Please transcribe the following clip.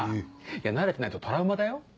慣れてないとトラウマだよ？